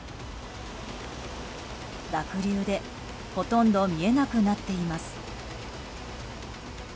濁流でほとんど見えなくなっています。